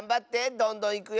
どんどんいくよ。